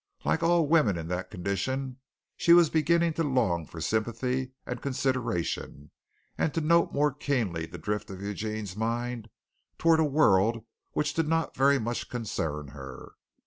Like all women in that condition, she was beginning to long for sympathy and consideration and to note more keenly the drift of Eugene's mind toward a world which did not very much concern her.